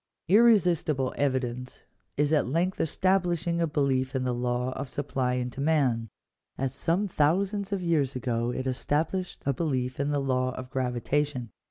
Irresistible evidence is at length establishing a belief in the law of supply and demand, as some thousands of years ago it esta blished a belief in the law of gravitation.